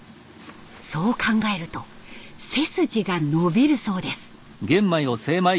そう考えると背筋が伸びるそうです。